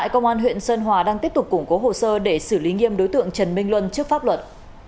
công an huyện sơn hòa đang tiếp tục củng cố hồ sơ để xử lý nghiêm đối tượng trần minh luân trước pháp luật